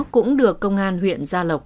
cũng được công an huyện gia lộc